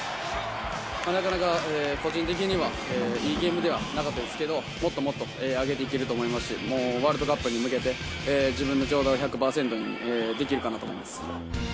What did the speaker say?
なかなか個人的にはいいゲームではなかったですけど、もっともっと上げていけると思いますし、もうワールドカップに向けて、自分の状態を１００％にできるかなと思います。